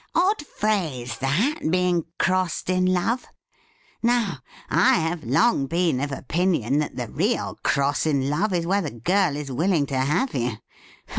' Odd phrase that, being crossed in love ! Now, I have long been of opinion that the real cross in love is where the girl is willing to have you.